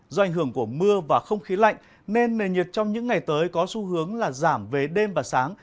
do ảnh hưởng của mưa và không khí lạnh nên nền nhiệt trong những ngày tới có xu hướng là giảm về đêm và sáng